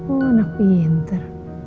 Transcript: oh anak pinter